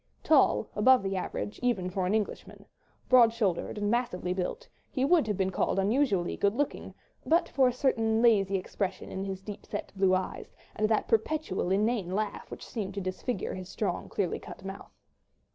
Tall, above the average, even for an Englishman, broad shouldered and massively built, he would have been called unusually good looking, but for a certain lazy expression in his deep set blue eyes, and that perpetual inane laugh which seemed to disfigure his strong, clearly cut mouth.